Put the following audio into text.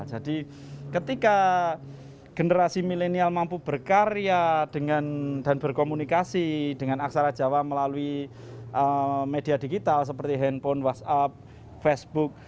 jadi ketika generasi milenial mampu berkarya dengan dan berkomunikasi dengan aksara jawa melalui media digital seperti handphone whatsapp facebook